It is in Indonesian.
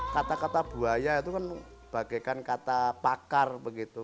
kata kata buaya itu kan bagaikan kata pakar begitu